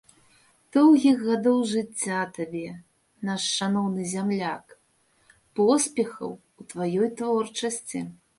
Доўгі гадоў жыцця табе, наш шаноўны зямляк, поспехах у тваёй творчасці!